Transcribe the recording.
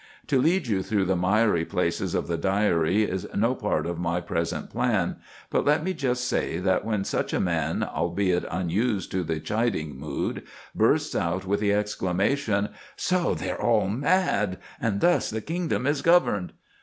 To lead you through the miry places of the Diary is no part of my present plan; but let me just say that when such a man, albeit unused to the chiding mood, bursts out with the exclamation, "So they are all mad!—and thus the kingdom is governed!"